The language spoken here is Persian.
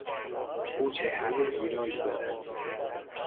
او چهرهی گیرایی دارد.